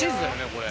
これ。